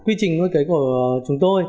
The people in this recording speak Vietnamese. quy trình nuôi cấy của chúng tôi